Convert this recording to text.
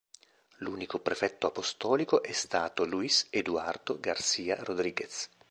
L'unico prefetto apostolico è stato Luís Eduardo García Rodríguez.